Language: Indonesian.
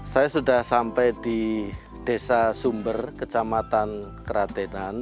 saya sudah sampai di desa sumber kecamatan keratenan